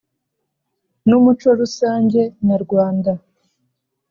n umuco rusange nyarwanda